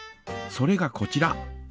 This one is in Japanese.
それがこちら。